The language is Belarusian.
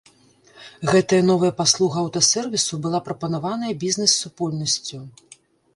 Гэтая новая паслуга аўтасервісу была прапанаваная бізнэс-супольнасцю.